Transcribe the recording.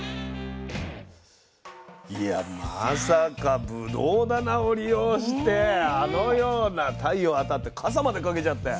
いやまさかぶどう棚を利用してあのような太陽当たってかさまでかけちゃって。